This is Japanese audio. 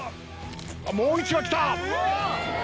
もう１羽きた！